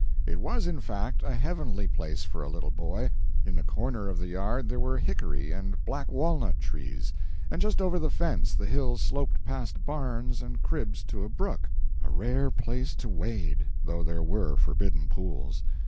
It was, in fact, a heavenly place for a little boy. In the corner of the yard there were hickory and black walnut trees, and just over the fence the hill sloped past barns and cribs to a brook, a rare place to wade, though there were forbidden pools.